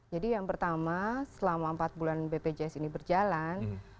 jadi yang pertama selama empat bulan bpjs ini berjalan